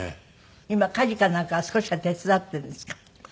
今家事かなんかは少しは手伝っているんですか？